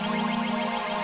gak punya sim